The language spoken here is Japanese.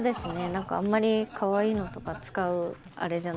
何かあんまりかわいいのとか使うあれじゃないので。